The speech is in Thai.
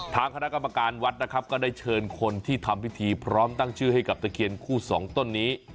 ทางคณะกรรมการวัดนะครับก็ได้เชิญคนที่ทำพิธีพร้อมตั้งชื่อให้กับตะเคียนคู่สองต้นนี้